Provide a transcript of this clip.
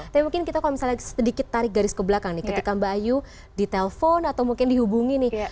tapi mungkin kita kalau misalnya sedikit tarik garis ke belakang nih ketika mbak ayu ditelepon atau mungkin dihubungi nih